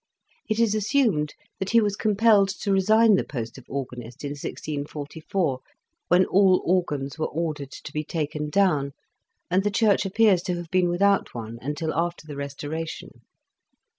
It is assumed that he was compelled to resign the post of Organist in 1644, when all organs were ordered to be taken down, and the Church appears to have been without one until after the restoration.